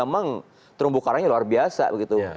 di samping tadi memang terumbu karangnya luar biasa begitu